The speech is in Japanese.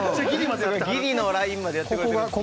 ギリのラインまでやってくれてるんですね